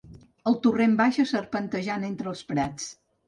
El torrent baixa serpentejant entre els prats.